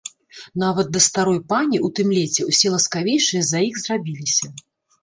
Нават да старой пані ў тым леце ўсе ласкавейшыя з-за іх зрабіліся.